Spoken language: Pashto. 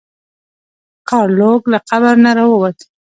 ګارلوک له قبر نه راووت.